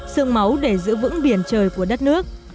sương máu để giữ vững biển trời của đất nước